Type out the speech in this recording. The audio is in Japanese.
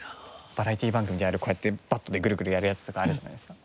バラエティー番組でやるこうやってバットでグルグルやるやつとかあるじゃないですか。